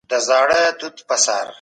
ولسي جرګه د خلګو د حقونو دفاع کوي.